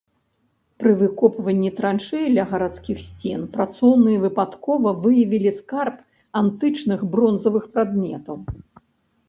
Пры выкопванні траншэй ля гарадскіх сцен працоўныя выпадкова выявілі скарб антычных бронзавых прадметаў.